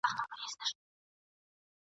انګازې به یې خپرې سوې په درو کي !.